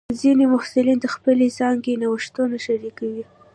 ځینې محصلین د خپلې څانګې نوښتونه شریکوي.